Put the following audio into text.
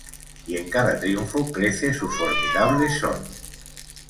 y en cada triunfo crece su formidable son.